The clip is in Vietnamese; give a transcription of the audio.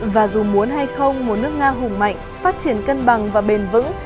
và dù muốn hay không một nước nga hùng mạnh phát triển cân bằng và bền vững